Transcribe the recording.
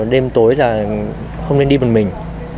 đêm tối là không nên đi một mình